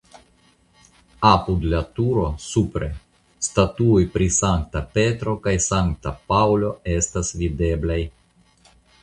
Apud la turo (supre) statuoj pri Sankta Petro kaj Sankta Paŭlo estas videblaj.